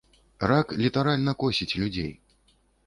Рак літаральна косіць людзей.